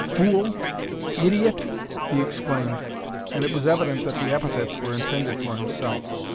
"Fool! Idiot!" he exclaimed, and it was evident that the epithets were intended for himself.